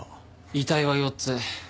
遺体は４つ。